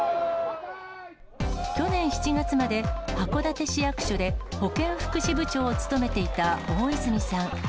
去年７月まで、函館市役所で保健福祉部長を務めていた大泉さん。